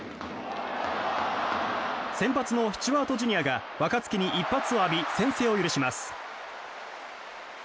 先発のスチュワート・ジュニアが若月に一発を浴び先制を許します。